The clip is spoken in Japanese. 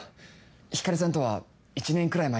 光莉さんとは１年くらい前に。